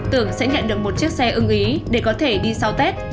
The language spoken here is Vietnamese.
tưởng sẽ nhận được một chiếc xe ưng ý để có thể đi sau tết